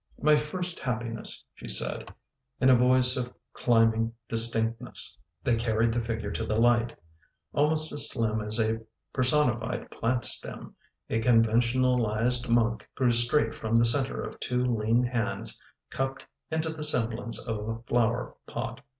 " My first happiness," she said, in a voice of climbing distinctness. They carried the figure to the light. Al most as slim as a personified plant stem, a conventional ised monk grew straight from the center of two lean hands cupped into the semblance of a flower pot.